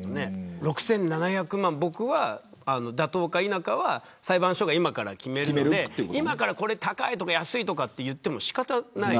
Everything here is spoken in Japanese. ６７００万円が妥当か否かは裁判所が今から決めるので今から高いとか安いとか言っても仕方ない。